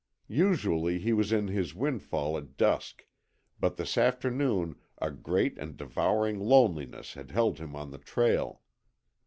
Usually he was in his windfall at dusk, but this afternoon a great and devouring loneliness had held him on the trail.